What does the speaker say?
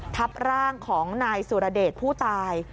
ทับร่างของนายสุรเดชผู้ตาย